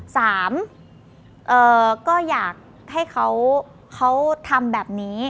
สามก็อยากให้เขาทำแบบนี้